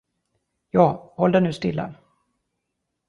Ja, håll dig nu stilla!